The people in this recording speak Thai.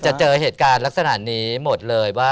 เจอเหตุการณ์ลักษณะนี้หมดเลยว่า